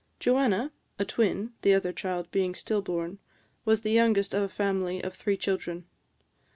Joanna a twin, the other child being still born was the youngest of a family of three children.